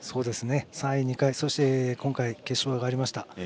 ３位２回そして決勝がありました。